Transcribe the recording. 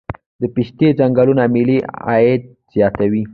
د پستې ځنګلونه ملي عاید زیاتوي.